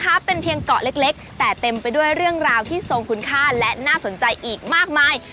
เป็นเพียงเกาะเล็กแต่เต็มไปด้วยเรื่องราวที่ทรงคุณค่าและน่าสนใจอีกมากมาย